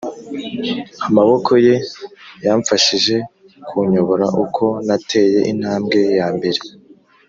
amaboko ye yamfashije kunyobora uko nateye intambwe yambere.